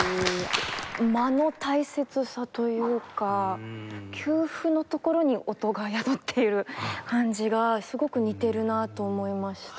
間の大切さというか休符のところに音が宿っている感じがすごく似てるなと思いました。